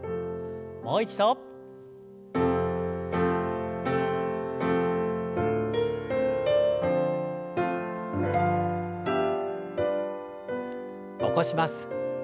もう一度。起こします。